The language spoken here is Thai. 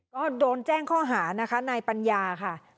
ก็โดนแจ้งข้อหาในปัญญาค่ะ